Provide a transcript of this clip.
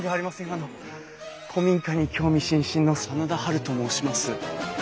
あの古民家に興味津々の真田ハルと申します。